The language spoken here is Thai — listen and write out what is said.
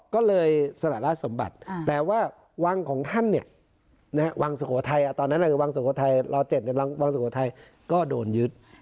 ก็เลยสลายราชสมบัติแต่ว่าวางสุโขทัยตอนนั้นคือวางสุโขทัยร้อย๗ก็โดนยึด